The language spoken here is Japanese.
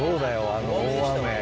あの大雨。